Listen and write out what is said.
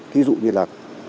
ví dụ như là